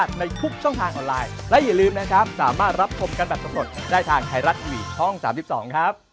ได้ทางไทรัตวิทย์ช่อง๓๒ครับ